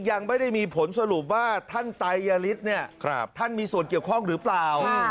ยังไม่ได้มีผลสรุปว่าท่านไตยฤทธิ์เนี่ยท่านมีส่วนเกี่ยวข้องหรือเปล่า